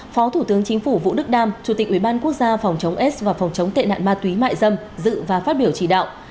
phó thủ tướng chính phủ vũ đức đam chủ tịch ủy ban quốc gia phòng chống aid và phòng chống tệ nạn ma túy mại dâm dự và phát biểu chỉ đạo